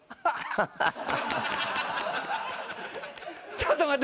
ちょっと待って！